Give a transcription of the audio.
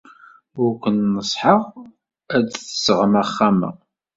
Ur ken-neṣṣḥeɣ ad d-tesɣem axxam-a.